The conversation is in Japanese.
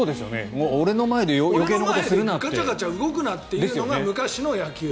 俺の前でガチャガチャ動くなというのが昔の野球。